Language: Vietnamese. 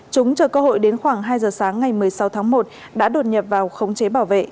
chúng chờ cơ hội đến khoảng hai giờ sáng ngày một mươi sáu tháng một đã đột nhập vào khống chế bảo vệ